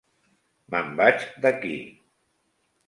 Me'n vaig d'aquí!